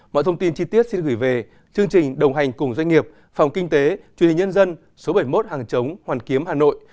mọi thông tin chi tiết xin gửi về chương trình đồng hành cùng doanh nghiệp phòng kinh tế truyền hình nhân dân số bảy mươi một hàng chống hoàn kiếm hà nội